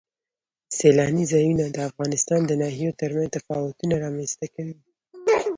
سیلانی ځایونه د افغانستان د ناحیو ترمنځ تفاوتونه رامنځ ته کوي.